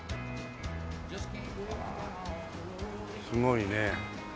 すごいね。